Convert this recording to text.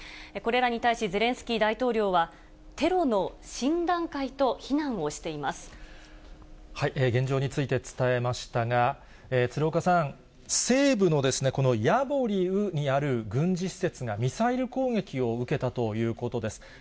これらに対し、ゼレンスキー大統領は、テロの新段階と非難をして現状について伝えましたが、鶴岡さん、西部のこのヤボリウにある軍事施設がミサイル攻撃を受けたということです。